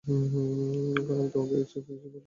এখন আমি তোমাকে কিছু প্রশ্ন করব, তুমি উত্তর দেবে।